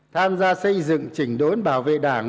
tham gia xây dựng chỉnh đốn bảo vệ đảng